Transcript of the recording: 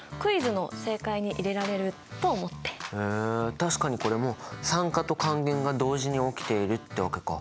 確かにこれも酸化と還元が同時に起きているってわけか。